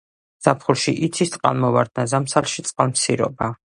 ზაფხულში იცის წყალმოვარდნა, ზამთარში წყალმცირობა.